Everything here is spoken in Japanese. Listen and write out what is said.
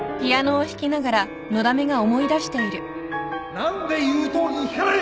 何で言うとおりに弾かない！